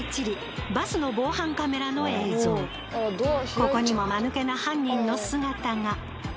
ここにも間抜けな犯人の姿が。